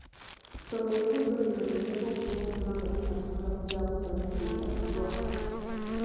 Soma ebibuuzo bino ogezeeko okubyanukula nga tonnatunula ku kyakuddamu kiweereddwa.